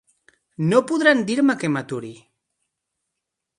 No podran dir-me que m'aturi.